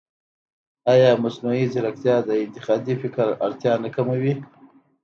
ایا مصنوعي ځیرکتیا د انتقادي فکر اړتیا نه کموي؟